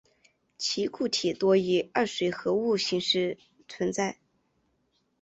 其固体多以二水合物形式存在。